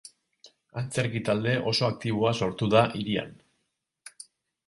Antzerki talde oso aktiboa sortu da hirian.